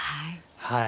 はい。